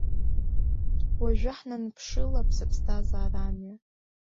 Уажәы ҳнанԥшылап сыԥсҭазара амҩа.